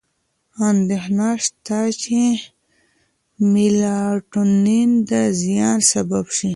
اندېښنه شته چې میلاټونین د زیان سبب شي.